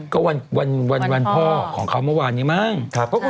ก็วันวันพ่อของเขาเมื่อวานอีกมาก